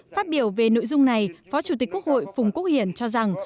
phát biểu về nội dung này phó chủ tịch quốc hội phùng quốc hiển cho rằng